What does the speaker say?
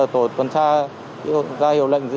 tổ tuần tra ra hiệu lệnh